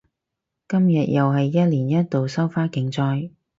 今日又係一年一度收花競賽